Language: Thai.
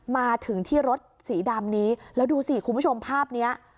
มาถึงที่รถสีดำนี้แล้วดูสิคุณผู้ชมภาพนี้